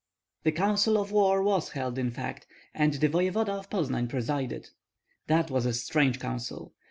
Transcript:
The council of war was held in fact, and the voevoda of Poznan presided. That was a strange council!